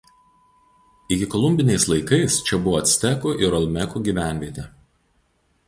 Ikikolumbiniais laikais čia buvo actekų ir olmekų gyvenvietė.